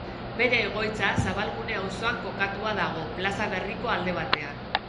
Bere egoitza Zabalgune auzoan kokatua dago, Plaza Berriko alde batean.